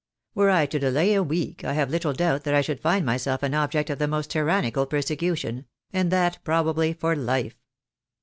Were I to delay a week, I have little doubt that I should find myself an object of the most tyrannical persecution — and that, probably, for life.